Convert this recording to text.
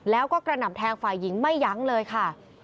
แล้วก็กระหน่ำแทงฝ่ายหญิงไม่ยั้งเลยค่ะ